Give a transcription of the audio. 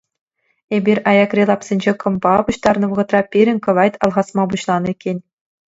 Эпир аякри лапсенче кӑмпа пуҫтарнӑ вӑхӑтра пирӗн кӑвайт алхасма пуҫланӑ иккен.